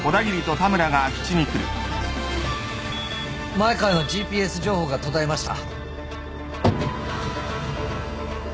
前川のＧＰＳ情報が途絶えました。